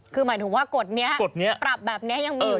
คือหมายถึงว่ากฎนี้ปรับแบบนี้ยังมีอยู่